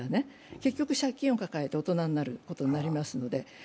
結局、借金を抱えて大人になることになりますので。